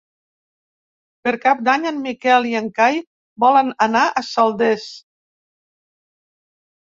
Per Cap d'Any en Miquel i en Cai volen anar a Saldes.